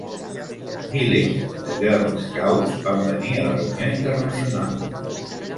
Milers de Girl Scouts van venir a la reunió internacional.